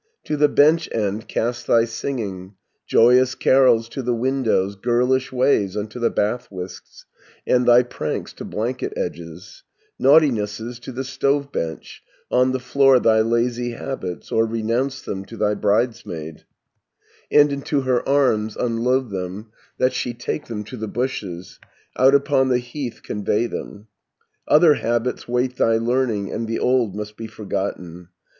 To the bench end cast thy singing, Joyous carols to the windows, Girlish ways unto the bath whisks, And thy pranks to blanket edges, Naughtinesses to the stove bench, On the floor thy lazy habits, 50 Or renounce them to thy bridesmaid, And into her arms unload them, That she take them to the bushes, Out upon the heath convey them. "Other habits wait thy learning, And the old must be forgotten.